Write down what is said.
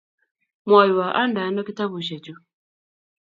Mwaiwo ande ano kitabushek chu